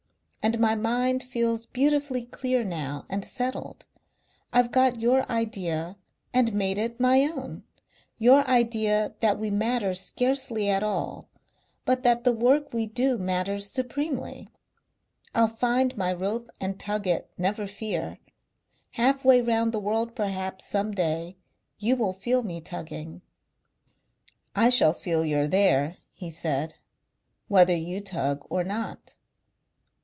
And my mind feels beautifully clear now and settled. I've got your idea and made it my own, your idea that we matter scarcely at all, but that the work we do matters supremely. I'll find my rope and tug it, never fear. Half way round the world perhaps some day you will feel me tugging." "I shall feel you're there," he said, "whether you tug or not...."